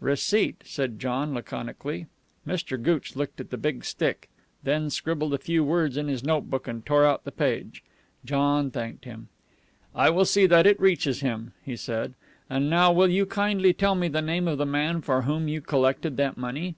"Receipt," said John laconically. Mr. Gooch looked at the big stick, then scribbled a few words in his notebook and tore out the page. John thanked him. "I will see that it reaches him," he said. "And now will you kindly tell me the name of the man for whom you collected that money?"